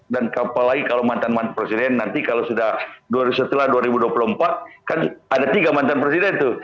dan apalagi kalau mantan mantan presiden nanti kalau sudah setelah dua ribu dua puluh empat kan ada tiga mantan presiden tuh